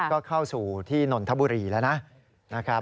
ก็เข้าสู่ที่นไหนทบุรีเราง่ายนะครับ